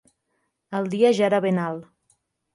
El dia ja era ben alt.